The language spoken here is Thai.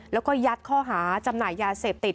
แล้วก็ยัดข้อหาจำหน่ายยาเสพติด